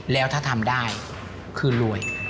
แล้วถ้าทำได้คือรวย